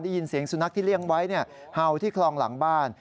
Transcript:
ได้ยินเสียงสุนัขที่เลี้ยงไว้เห่าที่คลองหลังบ้าน